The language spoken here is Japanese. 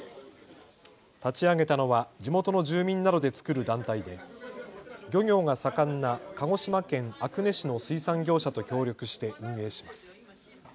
立ち上げたのは地元の住民などで作る団体で漁業が盛んな鹿児島県阿久根市の水産業者と協力して運営します。